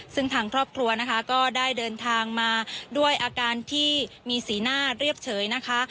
ซึ่งทางครอบครัวนะคะก็ได้เดินทางมาด้วยอาการที่มีสีหน้าเรียบเฉยนะคะ